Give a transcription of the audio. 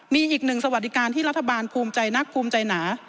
มีอีกหนึ่งสวัสดิการที่รัฐบาลภูมิใจนักภูมิใจหนา